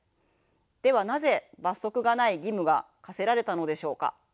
ではなぜ罰則がない義務が課せられたのでしょうか。